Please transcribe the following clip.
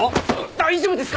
大丈夫ですか？